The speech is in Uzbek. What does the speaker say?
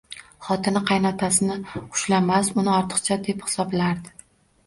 Xotini qaynotasini xushlamas, uni ortiqcha deb hisoblardi